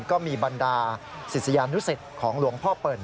ก็มีบรรดาศิษยานุสิตของหลวงพ่อเปิ่น